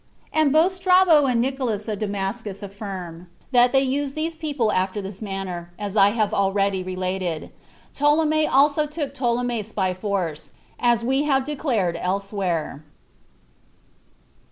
And both Strabo and Nicholaus [of Damascus] affirm, that they used these people after this manner, as I have already related. Ptolemy also took Ptolemais by force, as we have declared elsewhere.